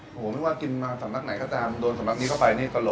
ช้อนนี้หรอครับผมเต็มเลยแล้วถ้าเกิดว่าธรรมดาละธรรมดาแค่พลายซ้อน